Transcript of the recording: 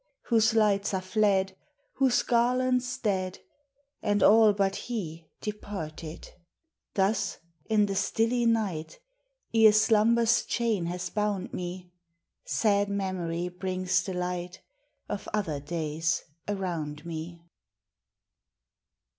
Whose lights are fled, Whose garlands dead, And all but he departed. Tims in the stilly night, Ere slumber's chain has hound me, Sad Memory brings the light Of other days around me.